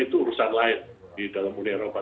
itu urusan lain di dalam uni eropa